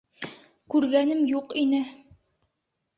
Күргәнем юҡ ине.